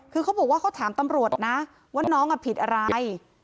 คือเขาบอกว่าเขาถามตำรวจนะว่าน้องผิดอะไร